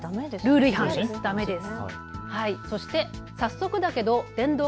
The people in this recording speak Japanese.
ルール違反です。